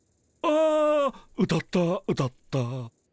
ああ歌った歌った。